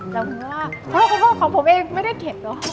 แล้วคุณก็ว่าของผมเองไม่ได้เข็มหรอก